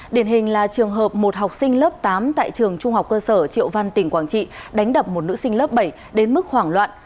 điển hình là trường hợp một học sinh lớp tám tại trường trung học cơ sở triệu văn tỉnh quảng trị đánh đập một nữ sinh lớp bảy đến mức hoảng loạn